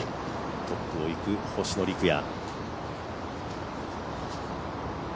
トップをいく星野陸也。